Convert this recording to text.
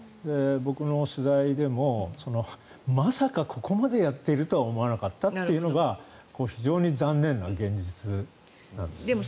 僕の取材でもまさかここまでやっているとは思わなかったというのが非常に残念な現実なんですね。